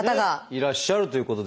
いらっしゃるということですね。